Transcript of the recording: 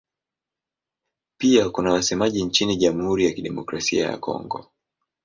Pia kuna wasemaji nchini Jamhuri ya Kidemokrasia ya Kongo.